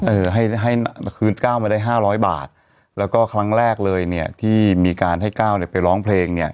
เออให้คืนก้าวมาได้๕๐๐บาทแล้วก็ครั้งแรกเลยเนี่ยที่มีการให้ก้าวไปร้องเพลงเนี่ย